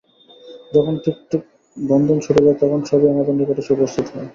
যখন ঠিক ঠিক বন্ধন ছুটে যায়, তখন সবই আমাদের নিকট এসে উপস্থিত হয়।